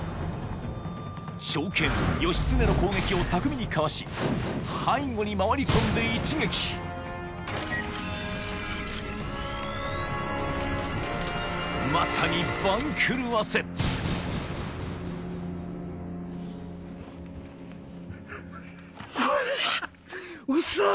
長剣義経の攻撃を巧みにかわし背後に回り込んで一撃まさに番狂わせわぁ！